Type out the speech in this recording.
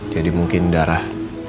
jadi mungkin darah